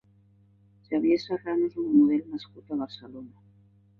Xavier Serrano és un model nascut a Barcelona.